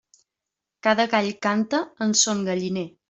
Cada gall canta en son galliner.